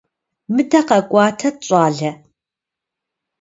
Мыдэ къэкӀуатэт, щӀалэ.